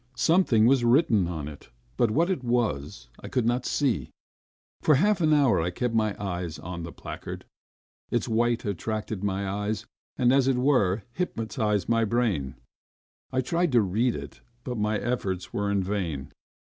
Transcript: Something was written on it, but what it was, I could not see. .. For half an hour I kept my eyes on the placard. Its white attracted my eyes, and, as it were, hypnotised my brain. I tried to read it, but my efforts were in vain.